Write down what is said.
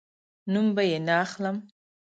نوم به یې نه اخلم